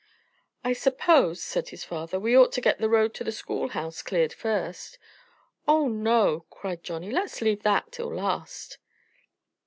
"I suppose," said his father, "we ought to get the road to the schoolhouse cleared first." "Oh, no!" cried Johnnie. "Let's leave that till the last."